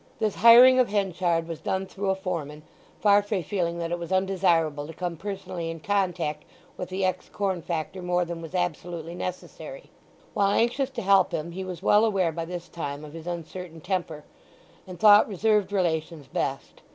This hiring of Henchard was done through a foreman, Farfrae feeling that it was undesirable to come personally in contact with the ex corn factor more than was absolutely necessary. While anxious to help him he was well aware by this time of his uncertain temper, and thought reserved relations best.